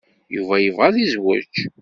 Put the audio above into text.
Yuba yebɣa ad yezweǧ.